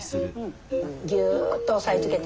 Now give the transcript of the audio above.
ギュッと押さえつけて。